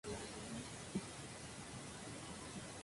Todos ellos echan de menos al dueño que tenían hace años.